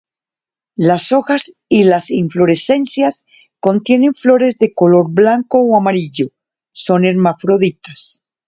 Las hojas y las inflorescencias contienen flores de color blanco o amarillo, son hermafroditas.